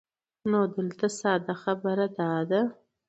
نو دلته ساده خبره دا ده